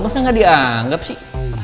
masa nggak dianggap sih